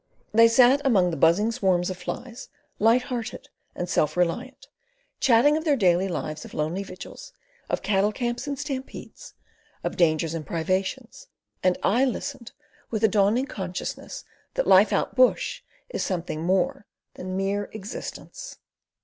They sat among the buzzing swarms of flies, light hearted and self reliant, chatting of their daily lives of lonely vigils, of cattle camps and stampedes, of dangers and privations, and I listened with a dawning consciousness that life "out bush" is something more than mere existence.